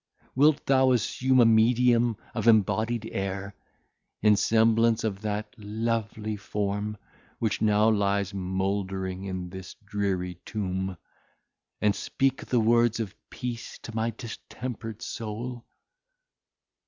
wilt thou assume a medium of embodied air, in semblance of that lovely form which now lies mouldering in this dreary tomb, and speak the words of peace to my distempered soul!